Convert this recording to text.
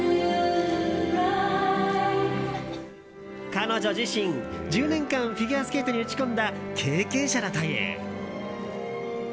彼女自身、１０年間フィギュアスケートに打ち込んだ経験者だという。